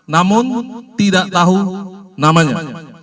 namun tidak tahu namanya